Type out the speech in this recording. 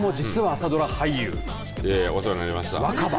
お世話になりました。